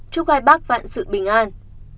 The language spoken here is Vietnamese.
chúc hai bác vạn sự bình an